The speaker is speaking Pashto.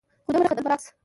خو ده ونه خندل، برعکس،